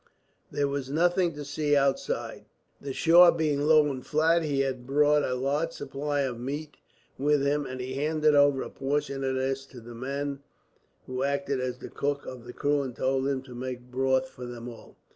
There was nothing to see outside, the shore being low and flat. He had brought a large supply of meat with him, and handed over a portion of this to the man who acted as the cook of the crew, and told him to make broth for them all.